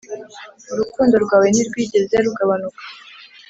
urukundo rwawe ntirwigeze rugabanuka